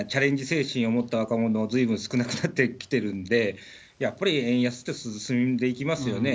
精神を持った若者がずいぶん少なくなってきてるんで、やっぱり円安って進んでいきますよね。